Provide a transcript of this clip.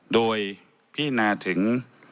โดยพินาถึง